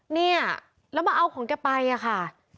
เนี่ยแล้วมาเอาของแกไปอะค่ะ